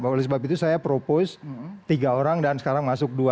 oleh sebab itu saya propose tiga orang dan sekarang masuk dua